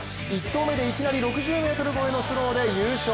１投目でいきなり６０ｍ超えのスローで優勝。